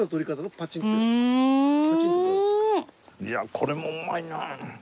いやあこれもうまいなあ。